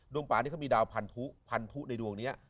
ดรป่าวนี้ก็มีดาวผันทุผันทุในดรวงนี้